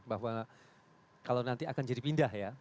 bahwa kalau nanti akan jadi pindah ya